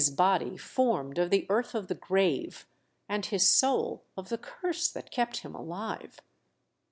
22 1 body formed of the earth of the grave, and his soul of the Curse that kept him aHve.